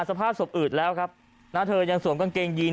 สภาพศพอืดแล้วครับนะเธอยังสวมกางเกงยีน